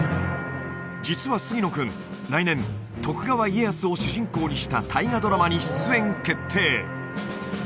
実は杉野君来年徳川家康を主人公にした大河ドラマに出演決定